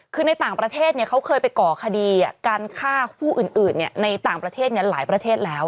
คือในต่างประเทศเขาเคยไปก่อคดีการฆ่าผู้อื่นในต่างประเทศหลายประเทศแล้ว